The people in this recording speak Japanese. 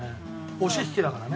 押し引きだからね。